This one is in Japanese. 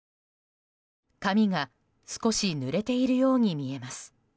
髪が少しぬれているように見えます。